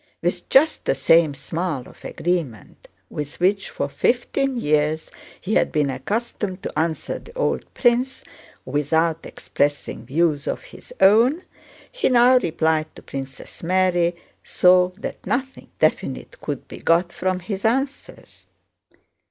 With just the same smile of agreement with which for fifteen years he had been accustomed to answer the old prince without expressing views of his own, he now replied to Princess Mary, so that nothing definite could be got from his answers.